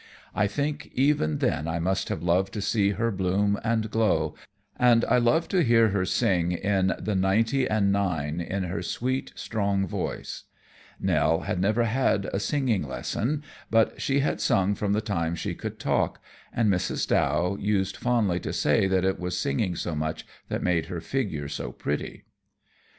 I think even then I must have loved to see her bloom and glow, and I loved to hear her sing, in "The Ninety and Nine," But one was out on the hills away in her sweet, strong voice. Nell had never had a singing lesson, but she had sung from the time she could talk, and Mrs. Dow used fondly to say that it was singing so much that made her figure so pretty.